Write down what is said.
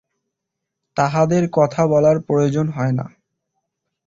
তাঁহাদের কথা বলার প্রয়োজন হয় না।